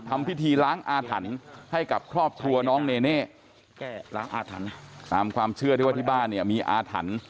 ทำพิธีล้างอาถรรพ์ให้กับครอบครัวน้องเนเน่ล้างอาถรรพ์ตามความเชื่อที่ว่าที่บ้านเนี่ยมีอาถรรพ์